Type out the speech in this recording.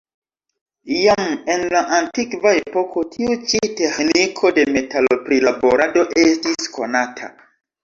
Jam en la antikva epoko tiu ĉi teĥniko de metalo-prilaborado estis konata.